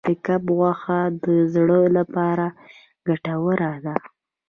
د کب غوښه د زړه لپاره ګټوره ده.